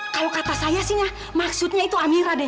kalau kata saya maksudnya itu amirah deh